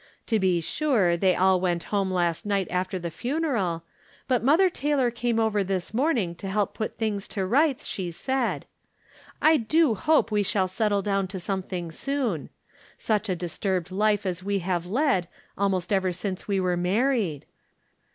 To be sure they all went home last night after the funeral, but Mother Taylor came over this morning to help put things to rights, she said. I do hope we shall settle down to something soon. Such a disturbed life as we have led almost ever since we were married.